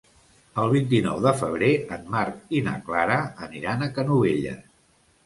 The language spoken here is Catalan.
El vint-i-nou de febrer en Marc i na Clara aniran a Canovelles.